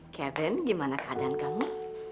kevin gimana keadaan kamu